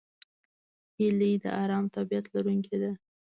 هیلۍ د آرام طبیعت لرونکې ده